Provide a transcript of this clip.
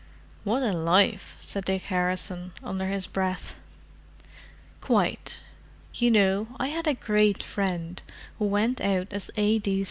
"What a life!" said Dick Harrison, under his breath. "Quite. You know, I had a great friend who went out as A.